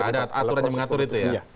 ada aturan yang mengatur itu ya